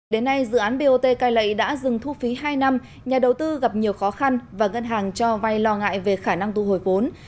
đến nay dự án bot cai lệ đã dừng thu phí hai năm nhà đầu tư gặp nhiều khó khăn và ngân hàng cho vay lo ngại về khả năng thu hồi vốn